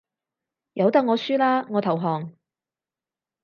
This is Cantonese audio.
由得我輸啦，我投降